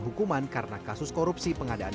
hukuman karena kasus korupsi pengadaan